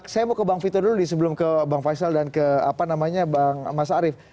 saya mau ke bang vito dulu sebelum ke bang faisal dan ke bang mas arief